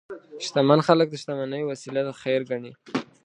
شتمن خلک د شتمنۍ وسیله د خیر ګڼي.